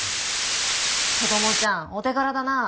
子どもちゃんお手柄だな。